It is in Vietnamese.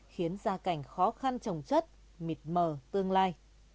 khiến gia cảnh khó khăn trồng chất mịt mờ tương lai